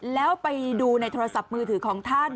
แล้วไปดูในโทรศัพท์มือถือของท่าน